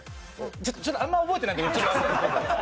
ちょっとあんま覚えてないんで。